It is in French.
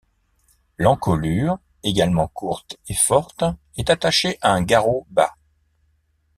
L'encolure, également courte et forte, est attachée à un garrot bas.